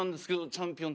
チャンピオン。